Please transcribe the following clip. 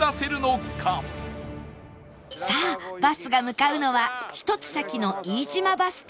さあバスが向かうのは１つ先の飯島バス停